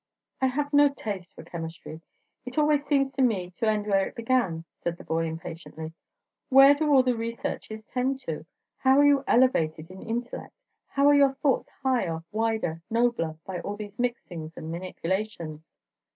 "I have no taste for chemistry. It always seems to me to end where it began," said the boy, impatiently. "Where do all researches tend to? how are you elevated in intellect? how are your thoughts higher, wider, nobler, by all these mixings and manipulations?"